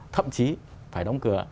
thậm chí phải đóng cửa